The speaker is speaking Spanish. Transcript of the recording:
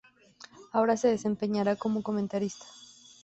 Ahora, se desempeñará como comentarista.